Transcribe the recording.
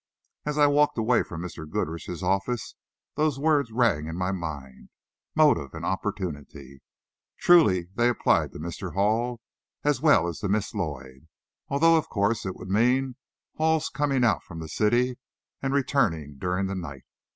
As I walked away from Mr. Goodrich's office, those words rang in my mind, motive and opportunity. Truly they applied to Mr. Hall as well as to Miss Lloyd, although of course it would mean Hall's coming out from the city and returning during the night.